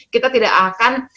kita tidak akan